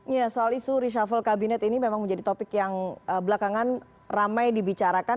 ya soal isu reshuffle kabinet ini memang menjadi topik yang belakangan ramai dibicarakan